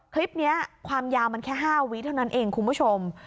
คลิปนี้ความยาวมันแค่๕วิเท่านั้นเองคุณผู้ชม